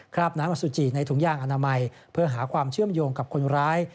ราบน้ำอสุจิในถุงยางอนามัยเพื่อหาความเชื่อมโยงกับคนร้าย